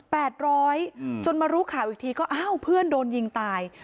ร้อยอืมจนมารู้ข่าวอีกทีก็อ้าวเพื่อนโดนยิงตาย